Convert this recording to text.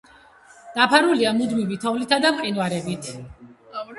დაფარულია მუდმივი თოვლითა და მყინვარებით.